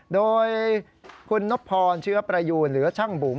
โดยคุณนพรเชื้อประยูนหรือช่างบุ๋ม